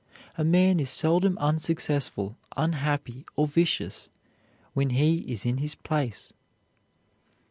A man is seldom unsuccessful, unhappy, or vicious when he is in his place.